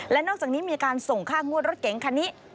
และนอกจากนี้มีการส่งค่างวดรถเก๋งคันนี้